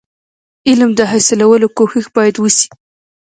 علم د حاصلولو کوښښ باید وسي.